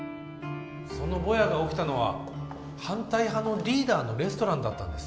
そのぼやが起きたのは反対派のリーダーのレストランだったんです。